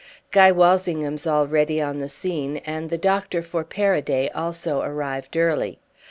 Guy Walsingham's already on the scene, and the Doctor for Paraday also arrived early.